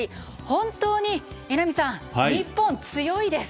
本当に榎並さん、日本強いです。